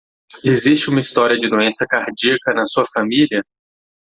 Existe uma história de doença cardíaca na sua família?